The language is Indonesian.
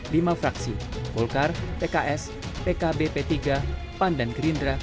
lima fraksi golkar pks pkb p tiga pan dan gerindra